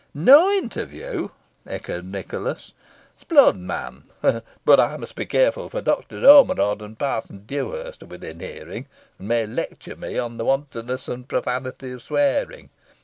"No interview!" echoed Nicholas. "S'blood, man! but I must be careful, for Doctor Ormerod and Parson Dewhurst are within hearing, and may lecture me on the wantonness and profanity of swearing.